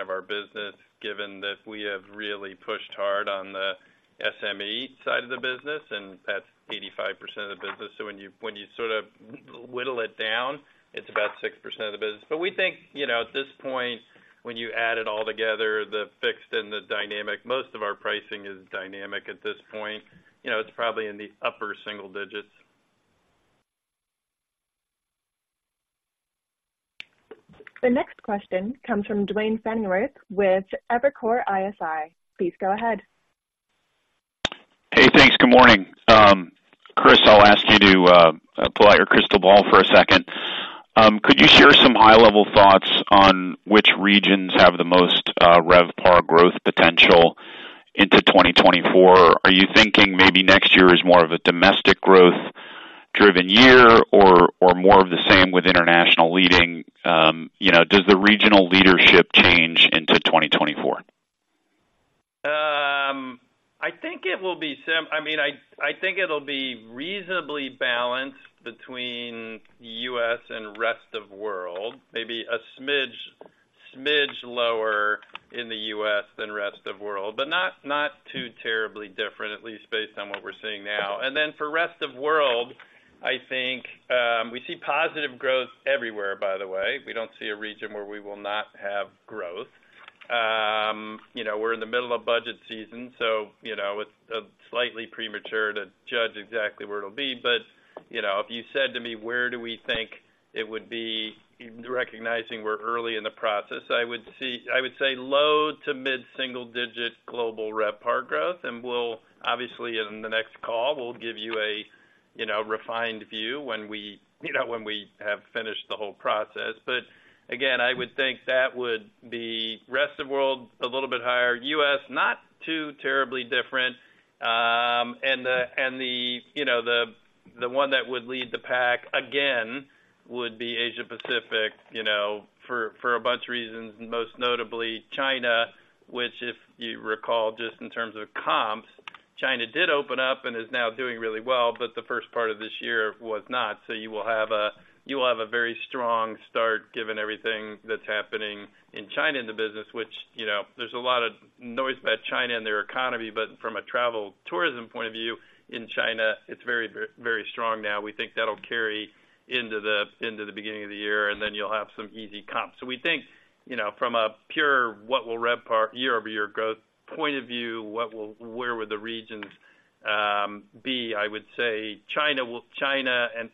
S3: of our business, given that we have really pushed hard on the SME side of the business, and that's 85% of the business. So when you sort of whittle it down, it's about 6% of the business. But we think, you know, at this point, when you add it all together, the fixed and the dynamic, most of our pricing is dynamic at this point. You know, it's probably in the upper single digits.
S1: The next question comes from Duane Pfennigwerth with Evercore ISI. Please go ahead.
S14: Hey, thanks. Good morning. Chris, I'll ask you to pull out your crystal ball for a second. Could you share some high-level thoughts on which regions have the most RevPAR growth potential into 2024? Are you thinking maybe next year is more of a domestic growth-driven year, or, or more of the same with international leading? You know, does the regional leadership change into 2024?
S3: I think it will be—I mean, I think it'll be reasonably balanced between U.S. and Rest of world. Maybe a smidge, smidge lower in the U.S. than Rest of world, but not, not too terribly different, at least based on what we're seeing now. And then for Rest of world, I think, we see positive growth everywhere, by the way. We don't see a region where we will not have growth. You know, we're in the middle of budget season, so you know, it's slightly premature to judge exactly where it'll be. But, you know, if you said to me, where do we think it would be, recognizing we're early in the process, I would say low to mid-single digit global RevPAR growth. And we'll obviously, in the next call, we'll give you a, you know, refined view when we, you know, when we have finished the whole process. But again, I would think that would be Rest of World, a little bit higher. U.S., not too terribly different, and the, you know, the, the one that would lead the pack again, would be Asia Pacific, you know, for, for a bunch of reasons, and most notably China, which, if you recall, just in terms of comps, China did open up and is now doing really well, but the first part of this year was not. So you will have a, you will have a very strong start, given everything that's happening in China, in the business, which, you know, there's a lot of noise about China and their economy, but from a travel tourism point of view, in China, it's very, very, very strong now. We think that'll carry into the, into the beginning of the year, and then you'll have some easy comps. So we think, you know, from a pure what will RevPAR year-over-year growth point of view, what will—where would the regions be? I would say China and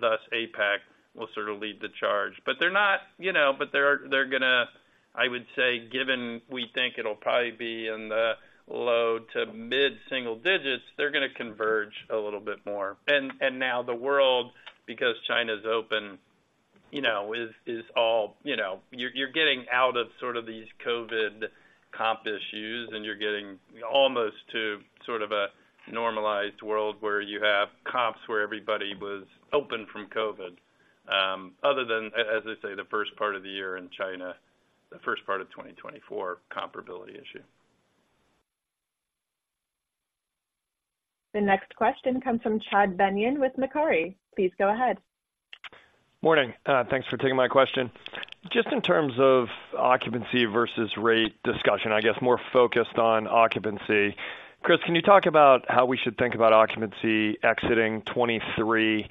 S3: thus APAC will sort of lead the charge. But they're not, you know. But they're gonna, I would say, given we think it'll probably be in the low to mid single digits, they're gonna converge a little bit more. Now the world, because China's open, you know, is all, you know, you're getting out of sort of these COVID comp issues, and you're getting almost to sort of a normalized world where you have comps, where everybody was open from COVID, other than, as I say, the first part of the year in China, the first part of 2024 comparability issue.
S1: The next question comes from Chad Beynon with Macquarie. Please go ahead.
S15: Morning. Thanks for taking my question. Just in terms of occupancy versus rate discussion, I guess more focused on occupancy. Chris, can you talk about how we should think about occupancy exiting 2023,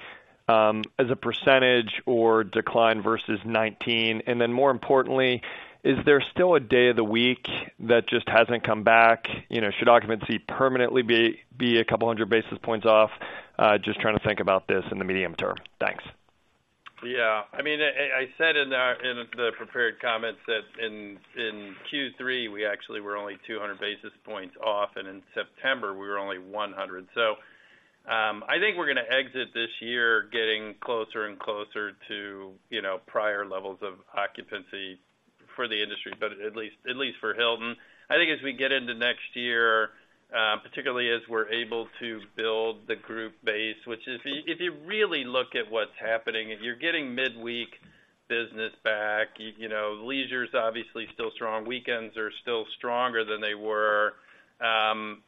S15: as a percentage or decline versus 2019? And then, more importantly, is there still a day of the week that just hasn't come back? You know, should occupancy permanently be a couple hundred basis points off? Just trying to think about this in the medium term. Thanks.
S3: Yeah. I mean, I said in the prepared comments that in Q3, we actually were only 200 basis points off, and in September, we were only 100. So, I think we're gonna exit this year getting closer and closer to, you know, prior levels of occupancy for the industry, but at least for Hilton. I think as we get into next year, particularly as we're able to build the group base, which is, if you really look at what's happening, and you're getting midweek business back, you know, leisure is obviously still strong. Weekends are still stronger than they were.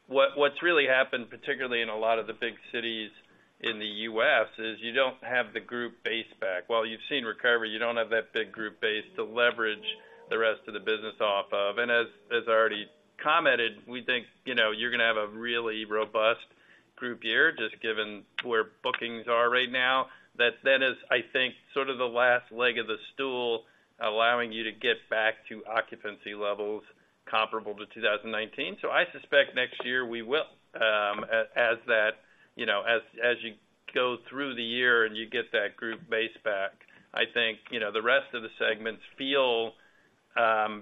S3: What really happened, particularly in a lot of the big cities in the U.S., is you don't have the group base back. While you've seen recovery, you don't have that big group base to leverage the rest of the business off of. As I already commented, we think, you know, you're gonna have a really robust group year, just given where bookings are right now. That then is, I think, sort of the last leg of the stool, allowing you to get back to occupancy levels comparable to 2019. So I suspect next year we will, as you go through the year and you get that group base back, I think, you know, the rest of the segments feel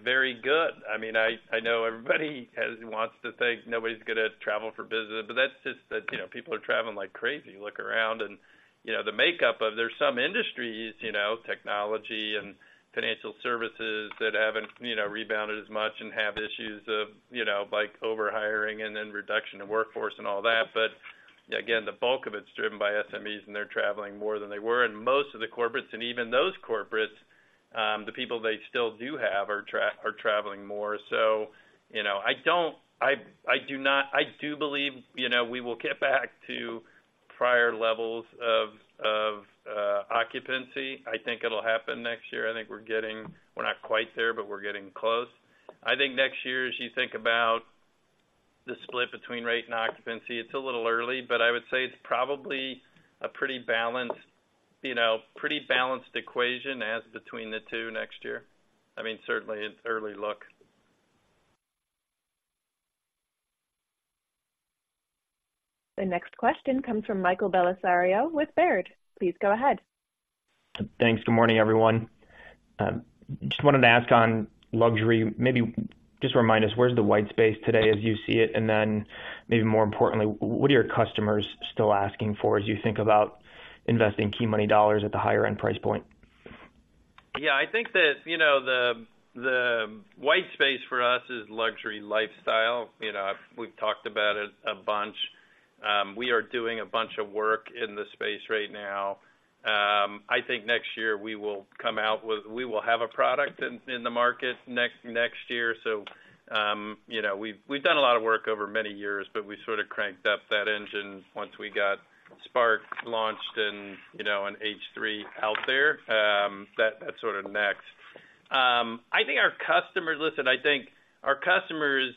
S3: very good. I mean, I know everybody wants to think nobody's gonna travel for business, but that's just that, you know, people are traveling like crazy. Look around and, you know, the makeup of... There's some industries, you know, technology and financial services that haven't, you know, rebounded as much and have issues of, you know, like overhiring and then reduction in workforce and all that. But again, the bulk of it's driven by SMEs, and they're traveling more than they were. And most of the corporates and even those corporates, the people they still do have, are traveling more. So, you know, I do believe, you know, we will get back to prior levels of occupancy. I think it'll happen next year. I think we're getting... We're not quite there, but we're getting close. I think next year, as you think about the split between rate and occupancy, it's a little early, but I would say it's probably a pretty balanced, you know, pretty balanced equation as between the two next year. I mean, certainly, it's early look.
S1: The next question comes from Michael Bellisario with Baird. Please go ahead.
S16: Thanks. Good morning, everyone. Just wanted to ask on luxury, maybe just remind us, where's the white space today as you see it? And then, maybe more importantly, what are your customers still asking for as you think about investing key money dollars at the higher end price point?
S3: Yeah, I think that, you know, the, the white space for us is luxury lifestyle. You know, we've talked about it a bunch. We are doing a bunch of work in the space right now. I think next year we will come out with—we will have a product in, in the market next, next year. So, you know, we've, we've done a lot of work over many years, but we sort of cranked up that engine once we got Spark launched and, you know, in H3 out there. That, that's sort of next. I think our customers... Listen, I think our customers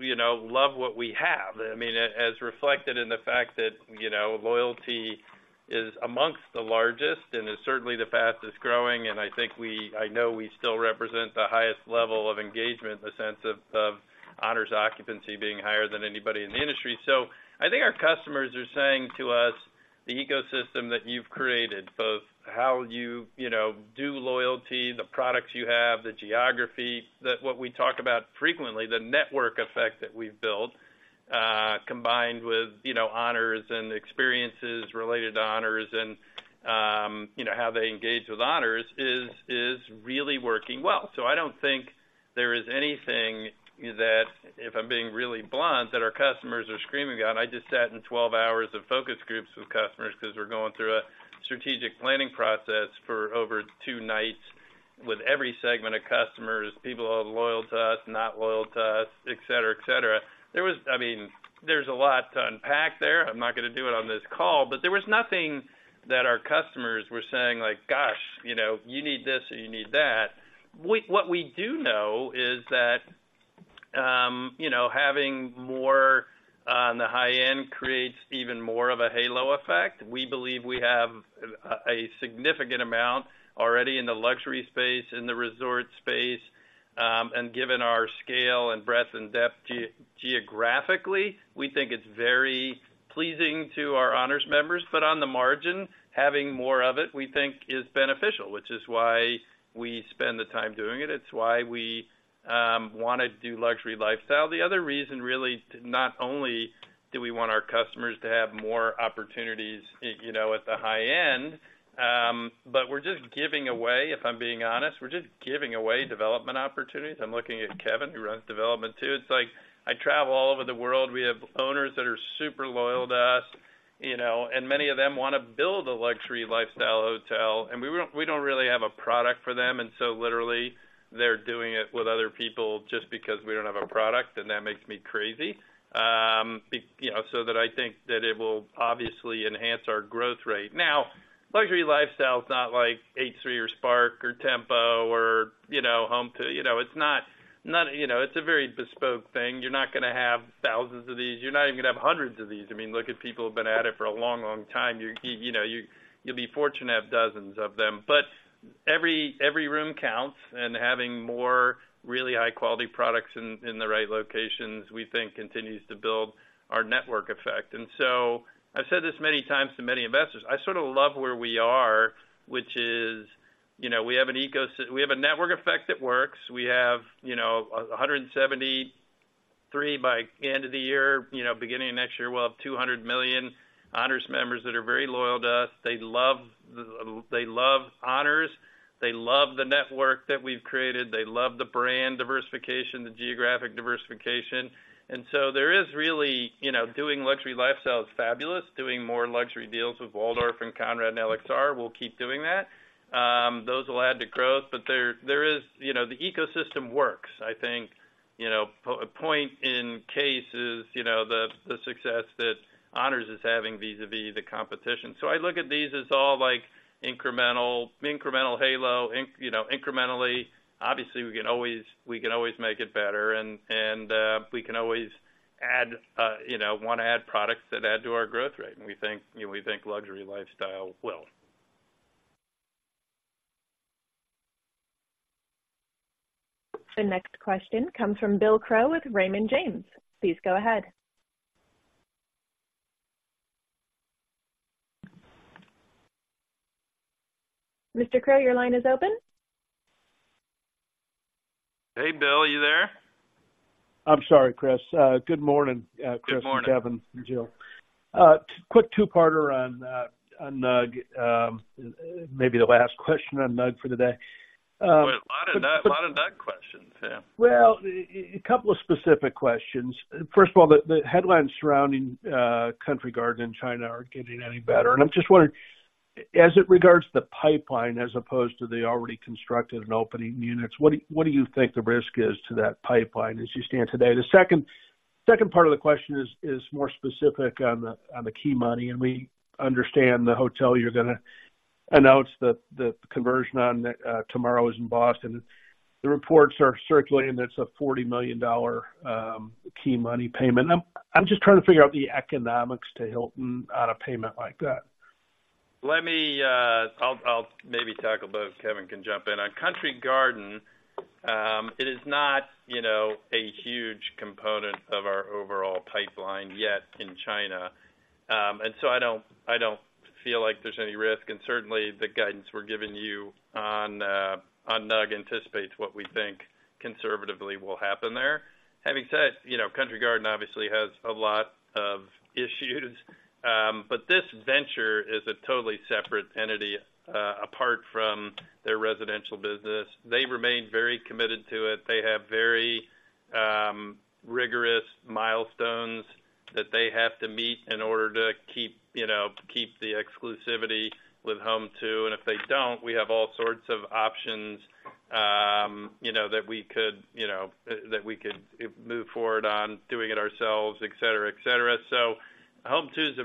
S3: you know, love what we have. I mean, as reflected in the fact that, you know, loyalty is amongst the largest and is certainly the fastest growing, and I think I know we still represent the highest level of engagement in the sense of, of Honors occupancy being higher than anybody in the industry. So I think our customers are saying to us, the ecosystem that you've created, both how you, you know, do loyalty, the products you have, the geography, that what we talk about frequently, the network effect that we've built, combined with, you know, Honors and experiences related to Honors and, you know, how they engage with Honors is, is really working well. So I don't think there is anything that, if I'm being really blunt, that our customers are screaming on. I just sat in 12 hours of focus groups with customers because we're going through a strategic planning process for over two nights with every segment of customers, people who are loyal to us, not loyal to us, et cetera, et cetera. There was, I mean, there's a lot to unpack there. I'm not gonna do it on this call, but there was nothing that our customers were saying, like, gosh, you know, you need this or you need that. What we do know is that, you know, having more on the high end creates even more of a halo effect. We believe we have a significant amount already in the luxury space, in the resort space, and given our scale and breadth and depth geographically, we think it's very pleasing to our Honors members. But on the margin, having more of it, we think, is beneficial, which is why we spend the time doing it. It's why we wanna do luxury lifestyle. The other reason, really, not only do we want our customers to have more opportunities, you know, at the high end, but we're just giving away, if I'm being honest, we're just giving away development opportunities. I'm looking at Kevin, who runs development, too. It's like, I travel all over the world. We have owners that are super loyal to us, you know, and many of them wanna build a luxury lifestyle hotel, and we don't, we don't really have a product for them, and so literally, they're doing it with other people just because we don't have a product, and that makes me crazy. You know, so that I think that it will obviously enhance our growth rate. Now, luxury lifestyle is not like H3 or Spark or Tempo or, you know, Home2. You know, it's not... You know, it's a very bespoke thing. You're not gonna have thousands of these. You're not even gonna have hundreds of these. I mean, look at people who've been at it for a long, long time. You know, you'll be fortunate to have dozens of them. But every room counts, and having more really high-quality products in the right locations, we think, continues to build our network effect. And so I've said this many times to many investors, I sort of love where we are, which is, you know, we have a network effect that works. We have, you know, 173 by the end of the year. You know, beginning of next year, we'll have 200 million Honors members that are very loyal to us. They love the, they love Honors, they love the network that we've created, they love the brand diversification, the geographic diversification. And so there is really, you know, doing luxury lifestyle is fabulous. Doing more luxury deals with Waldorf and Conrad and LXR, we'll keep doing that. Those will add to growth, but there, there is. You know, the ecosystem works. I think, you know, point in case is, you know, the, the success that Honors is having vis-a-vis the competition. So I look at these as all like incremental, incremental halo, you know, incrementally. Obviously, we can always, we can always make it better, and, and, we can always add, you know, wanna add products that add to our growth rate, and we think, you know, we think luxury lifestyle will.
S1: The next question comes from Bill Crow with Raymond James. Please go ahead. Mr. Crow, your line is open.
S3: Hey, Bill, are you there?
S17: I'm sorry, Chris. Good morning, Chris.
S3: Good morning...
S17: Kevin, and Jill. Quick two-parter on NUG, maybe the last question on NUG for the day,
S3: Wait, a lot of NUG, a lot of NUG questions, yeah.
S17: Well, a couple of specific questions. First of all, the headlines surrounding Country Garden in China aren't getting any better, and I'm just wondering, as it regards the pipeline, as opposed to the already constructed and opening units, what do you think the risk is to that pipeline as you stand today? The second part of the question is more specific on the key money, and we understand the hotel you're gonna announce the conversion on tomorrow is in Boston. The reports are circulating, that's a $40 million key money payment. I'm just trying to figure out the economics to Hilton on a payment like that.
S3: Let me... I'll, I'll maybe tackle both. Kevin can jump in. On Country Garden, it is not, you know, a huge component of our overall pipeline yet in China. And so I don't, I don't feel like there's any risk, and certainly, the guidance we're giving you on, on NUG anticipates what we think conservatively will happen there. Having said, you know, Country Garden obviously has a lot of issues, but this venture is a totally separate entity, apart from their residential business. They remain very committed to it. They have very, rigorous milestones that they have to meet in order to keep, you know, keep the exclusivity with Home2, and if they don't, we have all sorts of options, you know, that we could, you know, that we could move forward on doing it ourselves, et cetera, et cetera. So Home2 is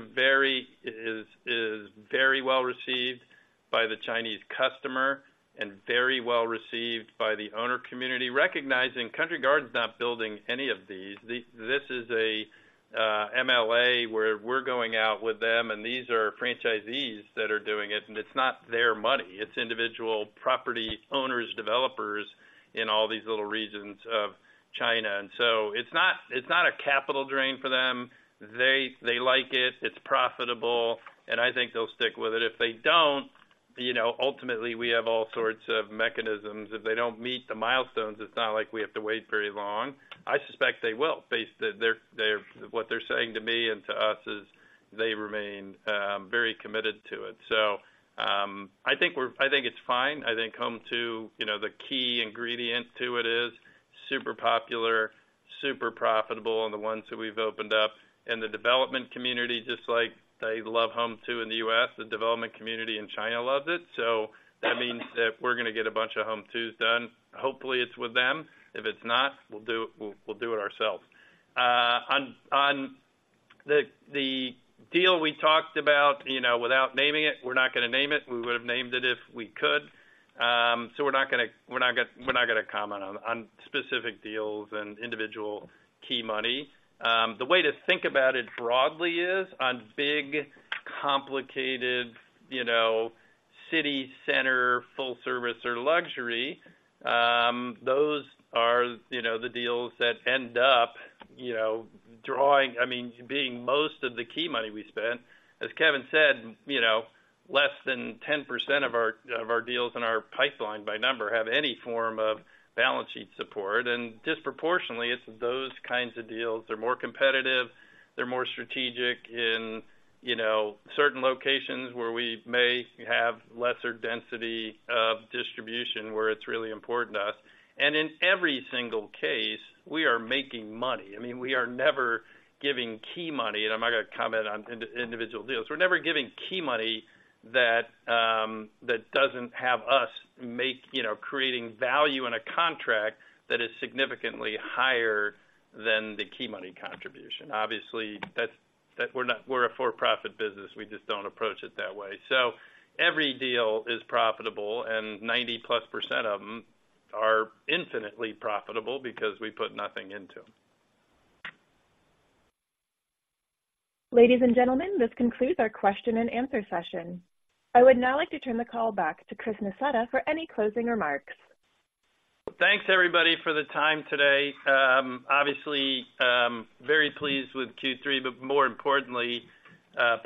S3: very well received by the Chinese customer and very well received by the owner community, recognizing Country Garden's not building any of these. This is a MLA, where we're going out with them, and these are franchisees that are doing it, and it's not their money. It's individual property owners, developers in all these little regions of China. And so it's not, it's not a capital drain for them. They like it, it's profitable, and I think they'll stick with it. If they don't, you know, ultimately, we have all sorts of mechanisms. If they don't meet the milestones, it's not like we have to wait very long. I suspect they will, based on what they're saying to me and to us is they remain very committed to it. So, I think it's fine. I think Home2, you know, the key ingredient to it is super popular, super profitable, and the ones that we've opened up in the development community, just like they love Home2 in the U.S., the development community in China loves it. So that means that if we're gonna get a bunch of Home2s done, hopefully, it's with them. If it's not, we'll do it ourselves. On the deal we talked about, you know, without naming it, we're not gonna name it. We would've named it if we could. So we're not gonna comment on specific deals and individual key money. The way to think about it broadly is, on big, complicated, you know, city center, full service or luxury, those are, you know, the deals that end up, you know, drawing... I mean, being most of the key money we spend. As Kevin said, you know, less than 10% of our, of our deals in our pipeline by number, have any form of balance sheet support. And disproportionately, it's those kinds of deals, they're more competitive, they're more strategic in, you know, certain locations where we may have lesser density of distribution, where it's really important to us. And in every single case, we are making money. I mean, we are never giving key money, and I'm not gonna comment on individual deals. We're never giving key money that doesn't have us make, you know, creating value in a contract that is significantly higher than the key money contribution. Obviously, we're a for-profit business. We just don't approach it that way. So every deal is profitable, and 90%+ of them are infinitely profitable because we put nothing into them.
S1: Ladies and gentlemen, this concludes our question and answer session. I would now like to turn the call back to Chris Nassetta for any closing remarks.
S3: Thanks, everybody, for the time today. Obviously, very pleased with Q3, but more importantly,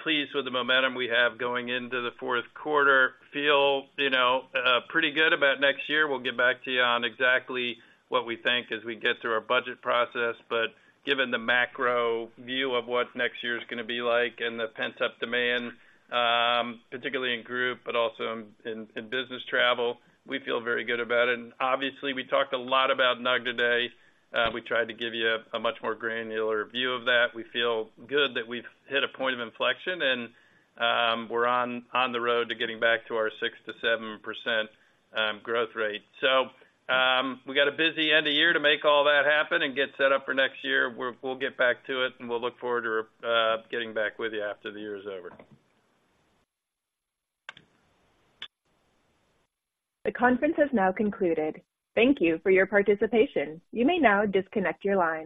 S3: pleased with the momentum we have going into the fourth quarter. Feel, you know, pretty good about next year. We'll get back to you on exactly what we think as we get through our budget process. But given the macro view of what next year's gonna be like and the pent-up demand, particularly in group, but also in business travel, we feel very good about it. And obviously, we talked a lot about NUG today. We tried to give you a much more granular view of that. We feel good that we've hit a point of inflection, and we're on the road to getting back to our 6%-7% growth rate. So, we got a busy end of year to make all that happen and get set up for next year. We'll get back to it, and we'll look forward to getting back with you after the year is over.
S1: The conference has now concluded. Thank you for your participation. You may now disconnect your line.